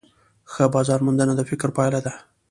ښه بازارموندنه د فکر پایله ده.